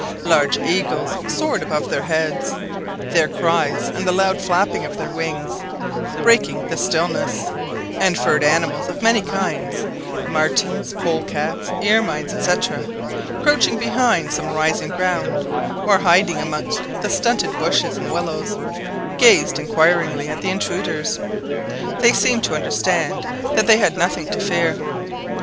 Large eagles soared above their heads, their cries and the loud flapping of their wings breaking the stillness, and furred animals of many kinds, martens, polecats, ermines, &c., crouching behind some rising ground, or hiding amongst the stunted bushes and willows, gazed inquiringly at the intruders. They seemed to understand that they had nothing to fear.